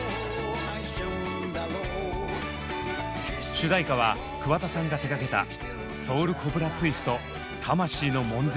主題歌は桑田さんが手がけた「Ｓｏｕｌコブラツイスト魂の悶絶」。